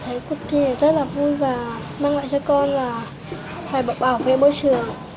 thấy cuộc thi này rất là vui và mang lại cho con là phải bảo vệ môi trường